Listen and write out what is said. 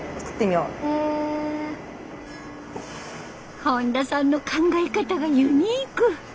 本田さんの考え方がユニーク。